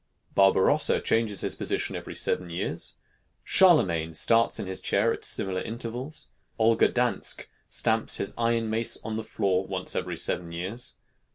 Barbarossa changes his position every seven years. Charlemagne starts in his chair at similar intervals. Olger Dansk stamps his iron mace on the floor once every seven years.